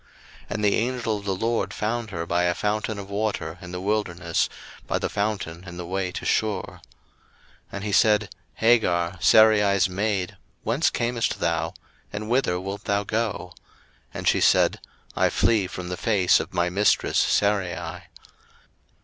01:016:007 And the angel of the LORD found her by a fountain of water in the wilderness, by the fountain in the way to Shur. 01:016:008 And he said, Hagar, Sarai's maid, whence camest thou? and whither wilt thou go? And she said, I flee from the face of my mistress Sarai.